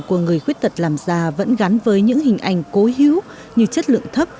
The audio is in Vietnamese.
của người khuyết tật làm già vẫn gắn với những hình ảnh cố hiếu như chất lượng thấp